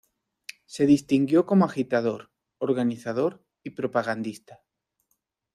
Se distinguió como agitador, organizador y propagandista.